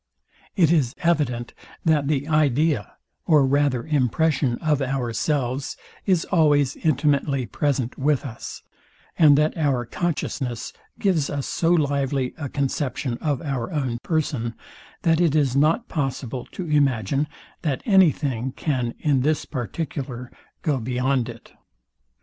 It is evident, that the idea, or rather impression of ourselves is always intimately present with us, and that our consciousness gives us so lively a conception of our own person, that it is not possible to imagine, that any thing can in this particular go beyond it.